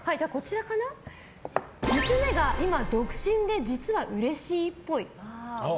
娘が独身で実はうれしいっぽい。